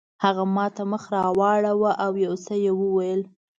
هغه ماته مخ راواړاوه او یو څه یې وویل.